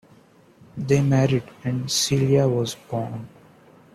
They married, and Celia was born.